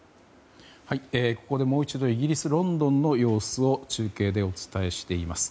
ここで、もう一度イギリス・ロンドンの様子を中継でお伝えしています。